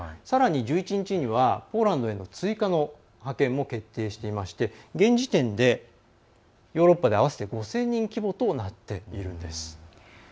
さらに１１日にはポーランドへの追加の派遣も決定していまして、現時点でヨーロッパで合わせて５０００人規模となっているんです。